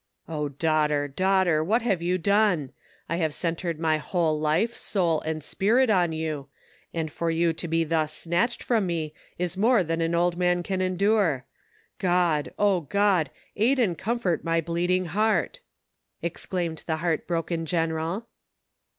"Oh, daughter! daughter! what have you done? I have centred my whole life, soul and spirit on you, and for you to be thus snatched from me is more than an old man can endure. God, O God I aid and comfort my bleed ing heart !" exclaimed the heart broken general.